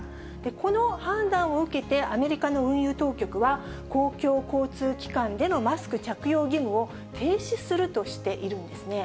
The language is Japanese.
この判断を受けて、アメリカの運輸当局は、公共交通機関でのマスク着用義務を停止するとしているんですね。